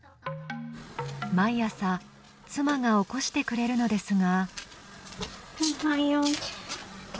毎朝妻が起こしてくれるのですが。